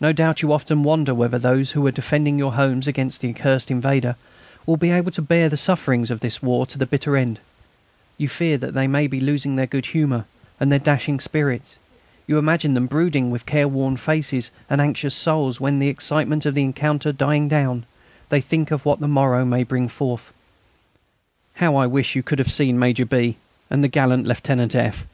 No doubt you often wonder whether those who are defending your homes against the accursed invader will be able to bear the sufferings of this war to the bitter end; you fear that they may be losing their good humour and their dashing spirits; you imagine them brooding with careworn faces and anxious souls when, the excitement of the encounter dying down, they think of what the morrow may bring forth. How I wish you could have seen Major B. and the gallant Lieutenant F.